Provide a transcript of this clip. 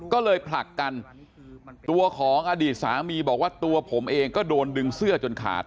ก็เลยผลักกันตัวของอดีตสามีบอกว่าตัวผมเองก็โดนดึงเสื้อจนขาด